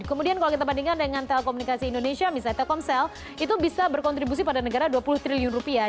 kemudian kalau kita bandingkan dengan telekomunikasi indonesia misalnya telkomsel itu bisa berkontribusi pada negara dua puluh triliun rupiah